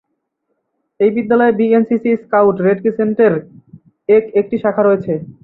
এই বিদ্যালয়ে B N C C, scout, red crescent এর এক একটি শাখা রয়েছে।